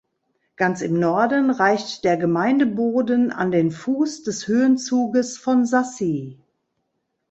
Ganz im Norden reicht der Gemeindeboden an den Fuß des Höhenzuges von Sassy.